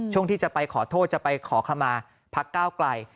ช่วงที่จะไปขอโทษจะไปขอขมาพักก้าวไกล